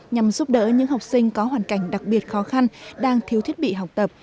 nhằm giúp đỡ những học sinh có hoàn cảnh đặc biệt khó khăn đang thiếu thiết bị học tập